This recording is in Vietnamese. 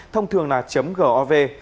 thông thường là gov vn